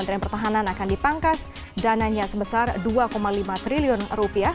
yang akan dipangkas dananya sebesar dua lima triliun rupiah